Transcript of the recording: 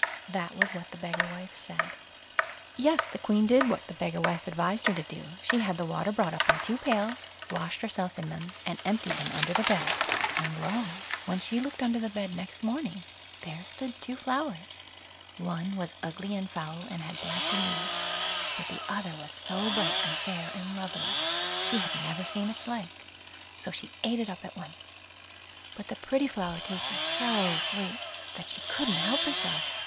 That was what the beggar wife said. Yes; the Queen did what the beggar wife advised her to do; she had the water brought up in two pails, washed herself in them, and emptied them under the bed; and lo! when she looked under the bed next morning, there stood two flowers; one was ugly and foul, and had black leaves; but the other was so bright, and fair, and lovely, she had never seen its like; so she ate it up at once. But the pretty flower tasted so sweet, that she couldn't help herself.